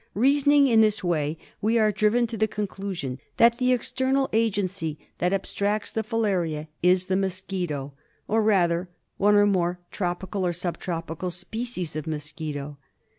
Reasoning in this way we are driven to the conclusion that the external agency that abstracts the Blaria is the mosquito — orrather one or more tropical or sub tropical species of mosquito.